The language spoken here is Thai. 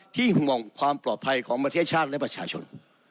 ห่วงความปลอดภัยของประเทศชาติและประชาชน